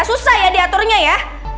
susah ya diaturnya ya